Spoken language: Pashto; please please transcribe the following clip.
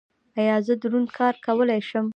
ایا زه دروند کار کولی شم؟